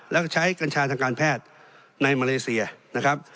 แล้วก็ใช้กัญชาทางการแพทย์ในมาเลเซียนะครับ